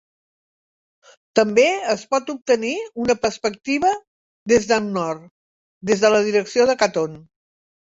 També es pot obtenir una perspectiva des del nord, des de la direcció de Caton.